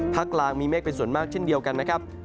กลางมีเมฆเป็นส่วนมากเช่นเดียวกันนะครับ